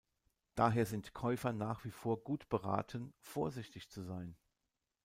Daher sind Käufer nach wie vor gut beraten, vorsichtig zu sein.